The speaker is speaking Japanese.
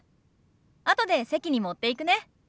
あとで席に持っていくね。